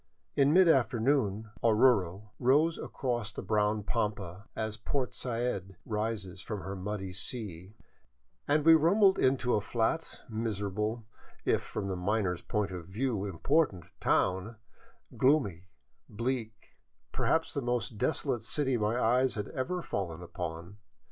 In mid afternoon Oruro arose across the brown pampa, as Port Said rises from her muddy sea, and we rumbled into a flat, miserable, if from the miner's point of view important town, gloomy, bleak, per haps the most desolate city my eyes had ever fallen upon.